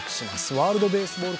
ワールドベースボール